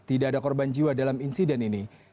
tidak ada korban jiwa dalam insiden ini